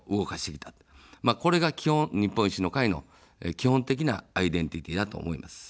これが基本、日本維新の会の基本的なアイデンティティ−だと思います。